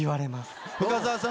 深澤さん